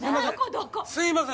すいません。